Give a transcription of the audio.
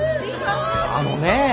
あのねえ。